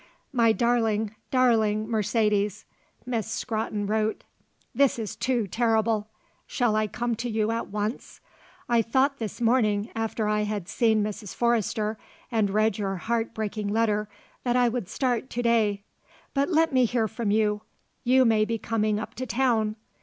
"My Darling, Darling Mercedes," Miss Scrotton wrote, "This is too terrible. Shall I come to you at once? I thought this morning after I had seen Mrs. Forrester and read your heartbreaking letter that I would start to day; but let me hear from you, you may be coming up to town.